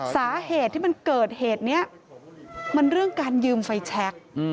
สาเหตุที่มันเกิดเหตุนี้มันเรื่องการยืมไฟแชค